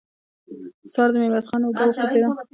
سهار د ميرويس خان اوږه وخوځېده.